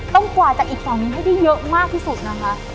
ต้องกว่าจากอีก๖นี้ให้ได้เยอะมากที่สุดนะฮะ